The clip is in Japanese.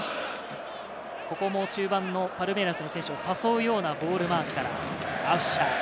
ここも中盤のパルメイラスの選手を誘うようなボール回しから、アフシャ。